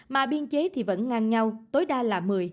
mà biên chế thì vẫn ngang nhau tối đa là một mươi